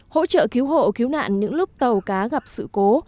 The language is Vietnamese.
hỗ trợ cứu hộ cứu nạn những lúc tàu cá gặp sự cố